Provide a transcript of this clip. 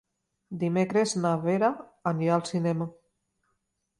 Dimecres na Vera anirà al cinema.